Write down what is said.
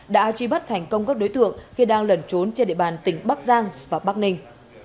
đã truy bắt thành công các đối tượng khi đang lẩn trốn trên địa bàn tỉnh bắc giang và bắc ninh